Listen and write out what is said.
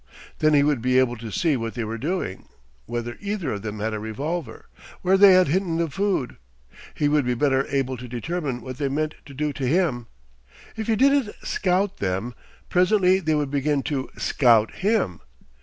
Then he would be able to see what they were doing, whether either of them had a revolver, where they had hidden the food. He would be better able to determine what they meant to do to him. If he didn't "scout" them, presently they would begin to "scout" him.